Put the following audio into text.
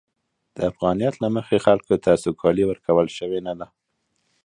د افغانیت له مخې، خلکو ته سوکالي ورکول شوې نه ده.